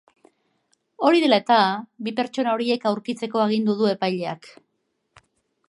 Hori dela eta, bi pertsona horiek aurkitzeko agindu du epaileak.